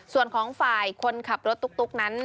ส่วนของฝ่ายคนขับรถตุ๊กนั้น